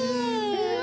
うわ！